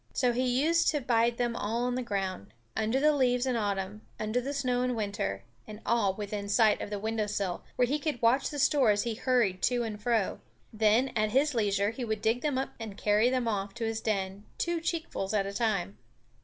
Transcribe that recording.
So he used to bide them all on the ground, under the leaves in autumn, under snow in winter, and all within sight of the window sill, where he could watch the store as he hurried to and fro. Then, at his leisure, he would dig them up and carry them off to his den, two cheekfuls at a time.